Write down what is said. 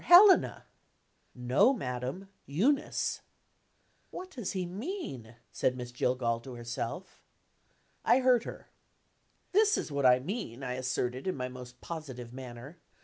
Helena." "No, madam! Eunice." "What does he mean?" said Miss Jillgall to herself. I heard her. "This is what I mean," I asserted, in my most positive manner.